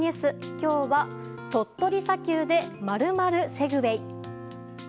今日は鳥取砂丘で○○セグウェイ。